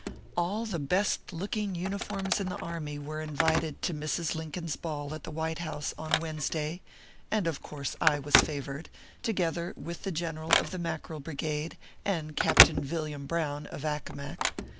All the best looking uniforms in the army were in vited to Mrs. Lincoln s ball at the White House on ORPHEUS C. KERB PAPERS. 197 Wednesday, and of course I was favored, together with the general of the Mackerel Brigade, and Cap tain Villiam Brown, of Accomac.